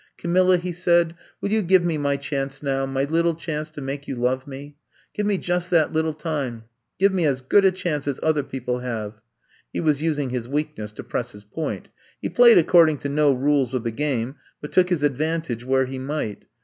Camilla/' he said, will you give me my chance now, my little chance to make you love me ? Give me just that little time ; give me as good a chance as other people have." He was using his weakness to press his point. He played according to no rules of the game, but took his advantage where he might.